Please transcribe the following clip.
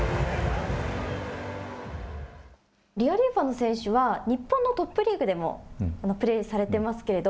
リアリーファノ選手は、日本のトップリーグでもプレーされてますけれど。